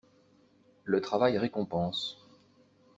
Le travail récompense.